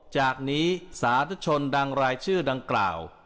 จากนี้สาธุชนดังรายชื่อดังกล่าว